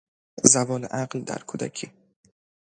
زوال عقل در کودکی